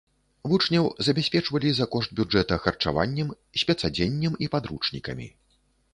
Вучняў забяспечвалі за кошт бюджэта харчаваннем, спецадзеннем і падручнікамі.